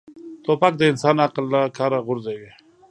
توپک د انسان عقل له کاره غورځوي.